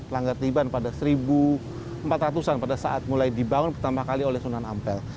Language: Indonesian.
langgar tiban pada seribu empat ratus an pada saat mulai dibangun pertama kali oleh sunan ampel